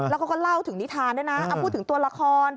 แล้วเขาก็เล่าถึงนิทานด้วยนะเอาพูดถึงตัวละคร